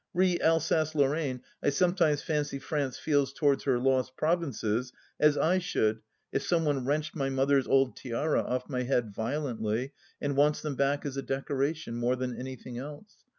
Re Alsace Lorraine, I sometimes fancy France feels towards her lost provinces as I should if some one wrenched my mother's old tiara off my head violently, and wants them back as a decoration, more than anything else.